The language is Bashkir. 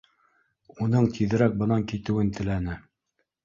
Уның тиҙерәк бынан китеүен теләне